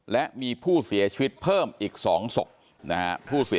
และมีผู้เสียชีวิตเพิ่มอีก๒ศพนะฮะ